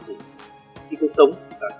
khi cuộc sống